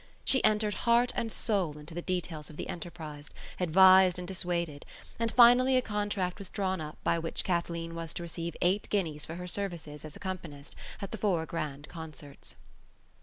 She entered heart and soul into the details of the enterprise, advised and dissuaded; and finally a contract was drawn up by which Kathleen was to receive eight guineas for her services as accompanist at the four grand concerts.